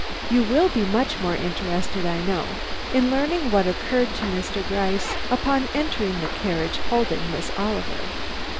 You will be much more interested, I know, in learning what occurred to Mr. Gryce upon entering the carriage holding Miss Oliver.